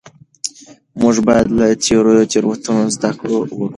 موږ باید له تیرو تېروتنو زده کړه وکړو.